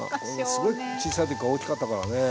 すごい小さい時から大きかったからね。